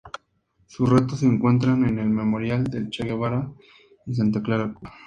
Sus restos se encuentran en el Memorial del Che Guevara en Santa Clara, Cuba.